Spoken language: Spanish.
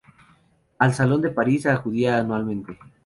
Al Salón de París acudía anualmente.